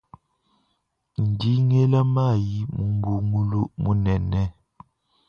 Ndi ngela mayi mu mbungulu munene.